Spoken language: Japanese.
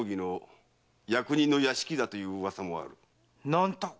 何と！